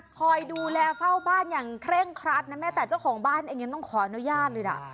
คอยดูแลเฝ้าบ้านอย่างเคร่งครัดนะแม้แต่เจ้าของบ้านเองยังต้องขออนุญาตเลยนะ